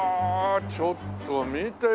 ちょっと見てよ